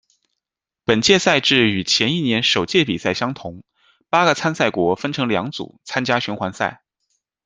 本届赛制与前一年首届比赛相同；八个参赛国分成两组参加循环赛。